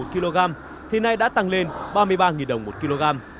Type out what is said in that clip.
một kg thì nay đã tăng lên ba mươi ba đồng một kg